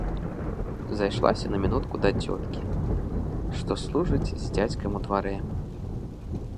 Зайшлася на мінутку да цёткі, што служыць з дзядзькам у дварэ.